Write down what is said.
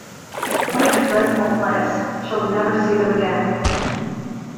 What a dreadful place; I shall never see them again!